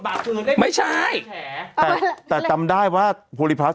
เป็นการกระตุ้นการไหลเวียนของเลือด